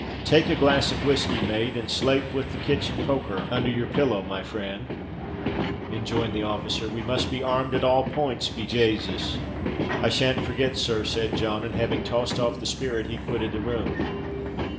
"Take a glass of whiskey, mate—and slape with the kitchen poker r under your pillow, my frind," enjoined the officer. "We must be ar rmed at all pints, be Jasus!" "I shan't forget, sir," said John: and having tossed off the spirit, he quitted the room.